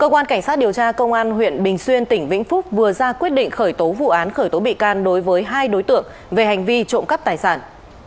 cơ quan cảnh sát điều tra công an huyện bình xuyên tỉnh vĩnh phúc vừa ra quyết định khởi tố vụ án khởi tố bị can đối với hai đối tượng về hành vi trộm cắp tài sản